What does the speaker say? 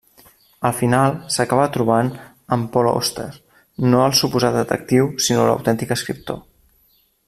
Al final s'acaba trobant amb Paul Auster, no el suposat detectiu, sinó l'autèntic escriptor.